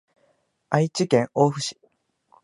愛知県大府市